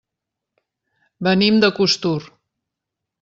Venim de Costur.